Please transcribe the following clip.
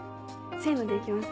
せのでいきます？